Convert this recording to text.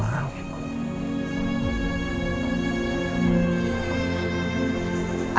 aku tadi kepikiran ya pa